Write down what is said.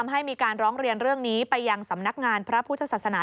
ให้มีการร้องเรียนเรื่องนี้ไปยังสำนักงานพระพุทธศาสนา